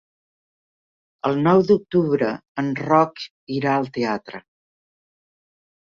El nou d'octubre en Roc irà al teatre.